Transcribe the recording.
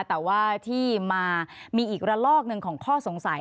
แต่ว่าที่มามีอีกระลอกหนึ่งของข้อสงสัย